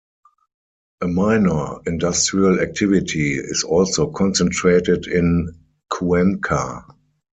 A minor industrial activity is also concentrated in Cuenca.